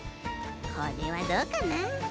これはどうかな？